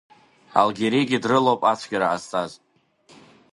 Алгьеригьы дрылоуп ацәгьара ҟазҵаз.